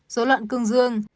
dối loạn cương dương